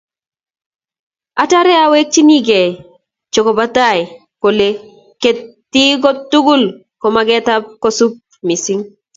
Atare awekchinikei che kobo tai kole ketik tugul komagat kosub missing